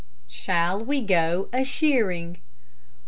SHALL WE GO A SHEARING?